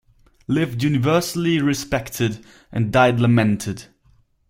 Lived universally respected, and died lamented.